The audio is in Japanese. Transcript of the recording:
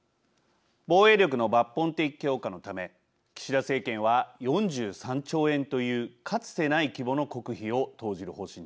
防衛力の抜本的強化のため岸田政権は４３兆円というかつてない規模の国費を投じる方針です。